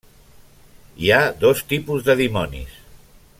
Hi ha dos tipus de dimonis.